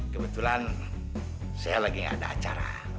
kebetulan saya lagi gak ada acara